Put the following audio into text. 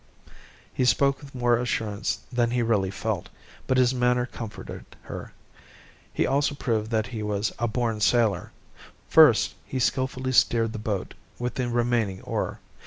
He spoke with more assurance than he really felt, but his manner comforted her. He also proved that he was a born sailor. First, he skilfully steered the boat with the remaining oar.